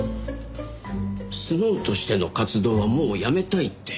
スノウとしての活動はもうやめたいって。